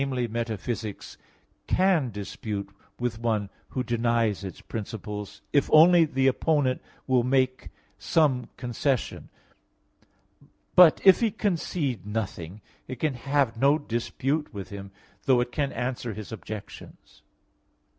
metaphysics, can dispute with one who denies its principles, if only the opponent will make some concession; but if he concede nothing, it can have no dispute with him, though it can answer his objections.